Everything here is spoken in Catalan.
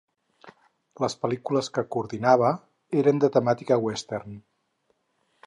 Les pel·lícules que coordinava eren de temàtica Western.